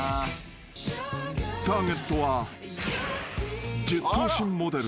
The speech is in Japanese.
［ターゲットは］